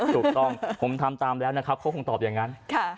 ถูกต้องผมทำตามแล้วนะครับเขาคงตอบอย่างนั้น